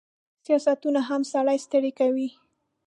سیاستونه هم سړی ستړی کوي.